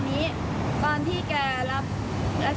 แกไม่เคยช่วยหรือเอาด้วยเพราะว่าแกบอกว่าประมาณว่าอ่า